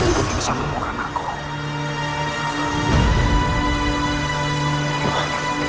aku mau rindukan kalian